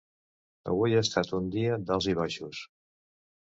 Avui ha estat un dia d’alts i baixos.